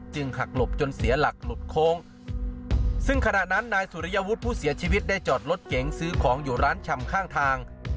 หักหลบจนเสียหลักหลุดโค้งซึ่งขณะนั้นนายสุริยวุฒิผู้เสียชีวิตได้จอดรถเก๋งซื้อของอยู่ร้านชำข้างทาง